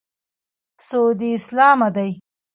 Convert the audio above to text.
سعودي اسلامه دی.